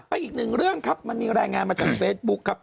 อีกหนึ่งเรื่องครับมันมีรายงานมาจากเฟซบุ๊คครับ